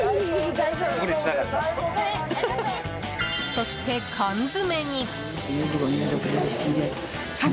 そして、缶詰に。